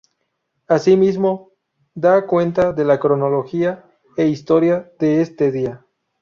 Así mismo da cuenta de la cronología e historia de este día.